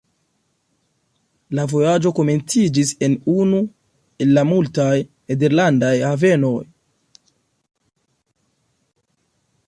La vojaĝo komenciĝis en unu el la multaj nederlandaj havenoj.